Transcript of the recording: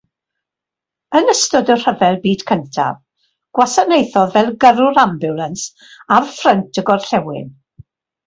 Yn ystod y Rhyfel Byd Cyntaf, gwasanaethodd fel gyrrwr ambiwlans ar Ffrynt y Gorllewin.